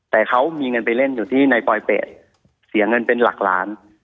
แต่เขามีเงินไปเล่นอยู่ที่ในปลอยเป็ดเสียเงินเป็นหลักล้าน